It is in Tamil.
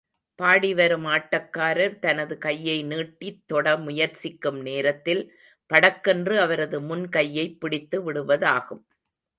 பாடிவரும் ஆட்டக்காரர் தனது கையை நீட்டித் தொட முயற்சிக்கும் நேரத்தில், படக்கென்று அவரது முன் கையைப் பிடித்துவிடுவதாகும்.